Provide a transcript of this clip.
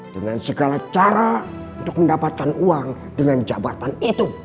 dengan segala cara untuk mendapatkan uang dengan jabatan itu